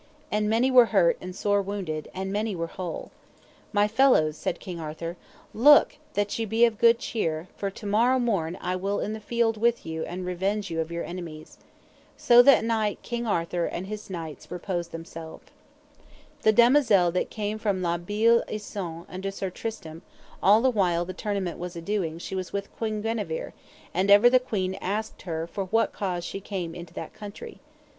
And many were hurt and sore wounded, and many were whole. My fellows, said King Arthur, look that ye be of good cheer, for to morn I will be in the field with you and revenge you of your enemies. So that night King Arthur and his knights reposed themself. The damosel that came from La Beale Isoud unto Sir Tristram, all the while the tournament was a doing she was with Queen Guenever, and ever the queen asked her for what cause she came into that country.